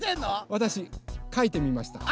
わたしかいてみました。